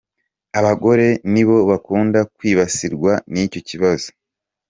Abagore nibo bakunda kwibasirwa n’icyo kibazo.